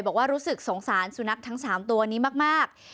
บอกว่ารู้สึกสงสารสุนัขทั้ง๓ตัวนี้มาก